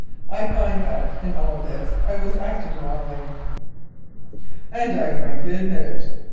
I find that in all this I was acting wrongly, and I frankly admit it.